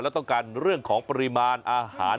และต้องการเรื่องของปริมาณอาหาร